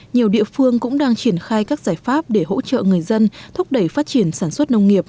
nhiều địa phương cũng đang triển khai các giải pháp để hỗ trợ người dân thúc đẩy phát triển sản xuất nông nghiệp